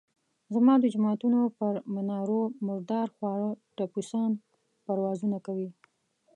زما د جوماتونو پر منارونو مردار خواره ټپوسان پروازونه کوي.